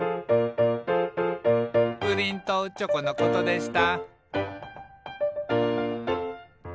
「プリンとチョコのことでした」